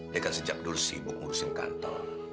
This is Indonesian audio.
dia kan sejak dulu sibuk ngurusin kantor